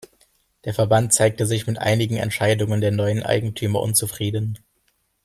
Der Verband zeigte sich mit einigen Entscheidungen der neuen Eigentümer unzufrieden.